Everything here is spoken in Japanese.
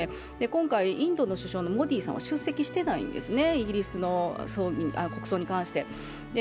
今回、インドの首相のモディさんは出席してないんですね、イギリスの国葬に。